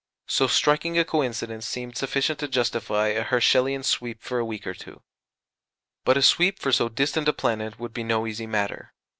So striking a coincidence seemed sufficient to justify a Herschelian "sweep" for a week or two. But a sweep for so distant a planet would be no easy matter.